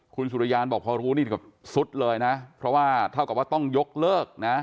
คุณสุริยานบอกพอรู้นี่ก็สุดเลยนะเพราะว่าเท่ากับว่าต้องยกเลิกนะ